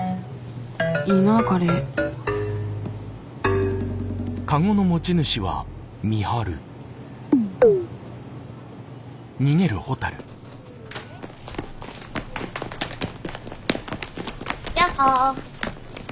いいなカレーやっほ。